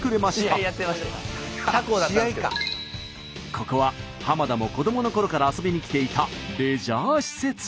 ここは田も子どものころから遊びに来ていたレジャー施設。